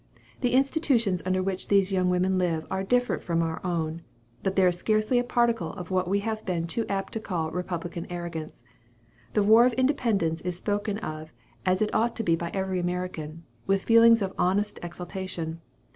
The institutions under which these young women live are different from our own; but there is scarcely a particle of what we have been too apt to call republican arrogance. The War of Independence is spoken of as it ought to be by every American, with feelings of honest exultation.